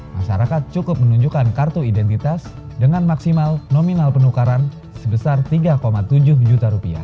masyarakat cukup menunjukkan kartu identitas dengan maksimal nominal penukaran sebesar rp tiga tujuh juta